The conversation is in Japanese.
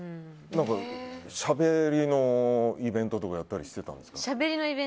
しゃべりのイベントとかやったりしてたんですか？